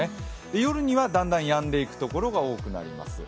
夜にはだんだんやんでいくところが多くなります。